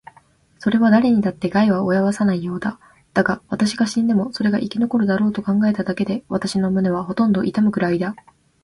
それはだれにだって害は及ぼさないようだ。だが、私が死んでもそれが生き残るだろうと考えただけで、私の胸はほとんど痛むくらいだ。